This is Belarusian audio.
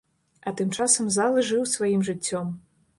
А тым часам зал жыў сваім жыццём.